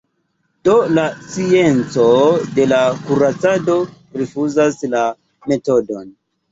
Do la scienco de la kuracado rifuzas la metodon.